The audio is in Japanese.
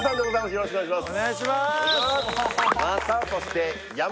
よろしくお願いします